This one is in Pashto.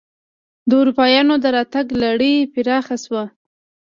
د اروپایانو دراتګ لړۍ پراخه شوه.